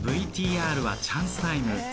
ＶＴＲはチャンスタイム。